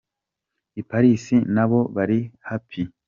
I Paris na bo bari "Happy".